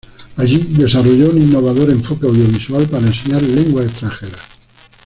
Allí, desarrolló un innovador enfoque audiovisual para enseñar lenguas extranjeras.